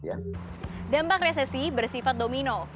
dampak resesi bersifat domino